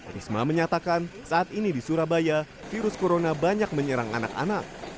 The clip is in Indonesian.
risma menyatakan saat ini di surabaya virus corona banyak menyerang anak anak